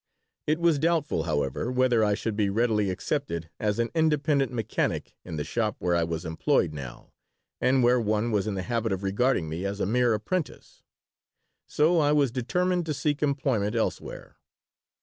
It was doubtful, however, whether I should be readily accepted as an independent mechanic in the shop where I was employed now and where one was in the habit of regarding me as a mere apprentice. So I was determined to seek employment elsewhere.